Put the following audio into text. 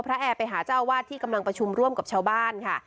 แอร์ไปหาเจ้าอาวาสที่กำลังประชุมร่วมกับชาวบ้านค่ะ